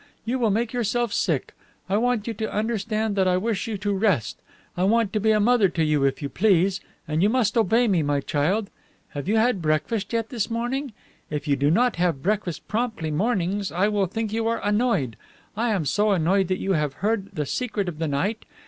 You will make yourself sick. I want you to understand that I wish you to rest. I want to be a mother to you, if you please, and you must obey me, my child. Have you had breakfast yet this morning? If you do not have breakfast promptly mornings, I will think you are annoyed. I am so annoyed that you have heard the secret of the night.